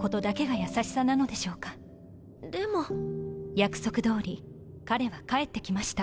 約束通り彼は帰ってきました。